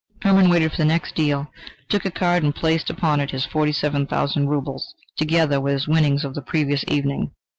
Hermann waited for the next deal, took a card and placed upon it his forty seven thousand roubles, together with his winnings of the previous evening.